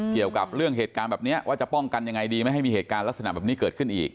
เกี่ยวกับเรื่องเหตุการณ์แบบนี้ว่าจะป้องกันยังไงดีไม่ให้มีเหตุการณ์ลักษณะแบบนี้เกิดขึ้นอีก